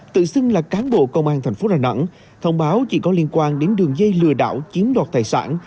tự xưng là cán bộ công an thành phố đà nẵng thông báo chị có liên quan đến đường dây lừa đảo chiếm đoạt tài sản